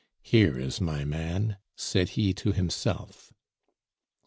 "Here is my man," said he to himself.